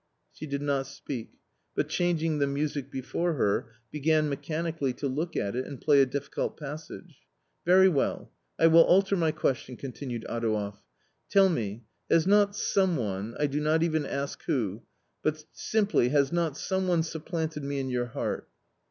She did not speak, but changing the music before her, began mechanically to look at it and play a difficult passage. " Very well, I will alter my question," continued Adouev ;" tell me, has not some one — I do not even ask who — but simply has not some one supplanted me in your heart